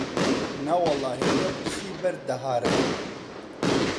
نەوەڵڵا هێندە برسی بەرد دەهاڕی